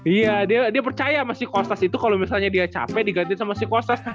iya dia percaya sama si kostas itu kalo misalnya dia capek diganti sama si kostas